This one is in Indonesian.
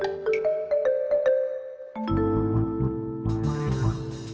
tapi dia kendaraannya